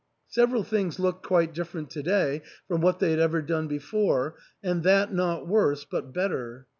Several things looked quite different to day from what they had ever done before, and that not worse, but better.